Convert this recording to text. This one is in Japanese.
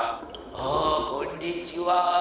あこんにちは。